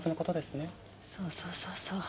そうそうそうそう。